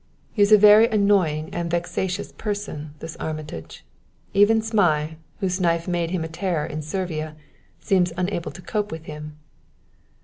He is a very annoying and vexatious person, this Armitage. Even Zmai, whose knife made him a terror in Servia, seems unable to cope with him."